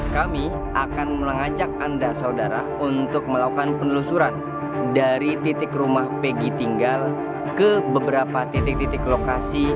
kami akan mengajak anda saudara untuk melakukan penelusuran dari titik rumah peggy tinggal ke beberapa titik titik lokasi